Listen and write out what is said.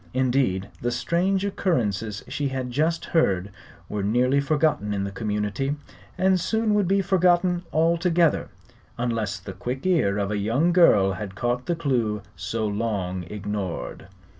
Indeed, the strange occurrences she had just heard were nearly forgotten in the community, and soon would be forgotten altogether unless the quick ear of a young girl had caught the clue so long ignored.